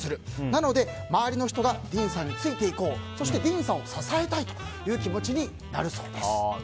なので、周りの人がディーンさんについていこうそしてディーンさんを支えたいという気持ちになるそうです。